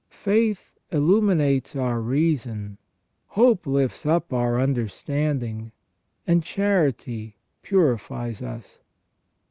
Faith illuminates our reason, hope lifts up our understanding, and charity purifies us."